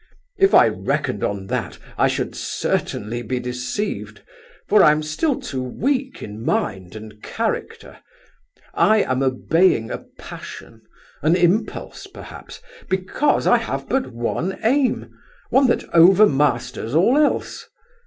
"If I reckoned on that I should certainly be deceived, for I am still too weak in mind and character. I am obeying a passion, an impulse perhaps, because I have but one aim, one that overmasters all else.